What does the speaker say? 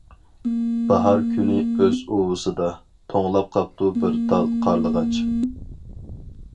باھار كۈنى ئۆز ئۇۋىسىدا، توڭلاپ قاپتۇ بىر تال قارلىغاچ.